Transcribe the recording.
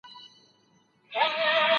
بيرته د ناستي ځای ته ورسئ.